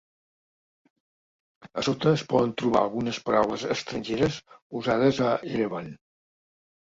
A sota es poden trobar algunes paraules estrangeres usades a Erevan.